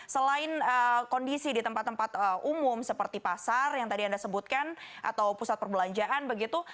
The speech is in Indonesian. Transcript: selain kondisi di tempat tempat umum seperti pasar yang tadi anda sebutkan atau pusat perbelanjaan begitu